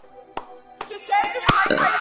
کرکټ نړیوال جام په هند کې پیل شوی دی.